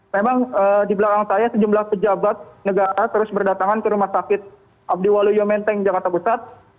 memang di belakang saya sejumlah pejabat negara terus berdatangan ke rumah sakit abdiwaluyo menteng jakarta pusat